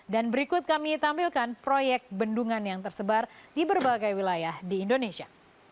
dan berikut kami tampilkan proyek bendungan yang tersebar di berbagai wilayah di indonesia